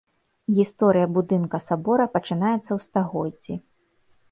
Гісторыя будынка сабора пачынаецца ў стагоддзі.